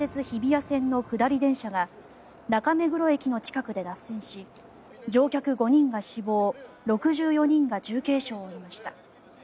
日比谷線の下り電車が中目黒駅の近くで脱線し乗客５人が死亡６４人が重軽傷を負いました。